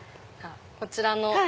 こちらの。